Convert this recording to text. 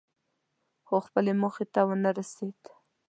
خو خپلې موخې ته ونه رسېد.